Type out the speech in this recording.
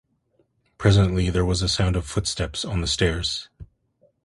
Presently there was a sound of footsteps on the stairs.